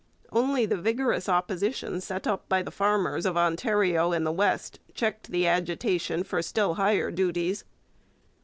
Only the vigorous opposition set up by the farmers of Ontario and the West checked the agitation for still higher duties.